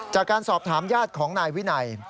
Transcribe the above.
จากการสอบถามญาติของนายวินัย